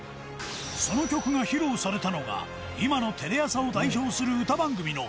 その曲が披露されたのが今のテレ朝を代表する歌番組の超貴重な初回放送。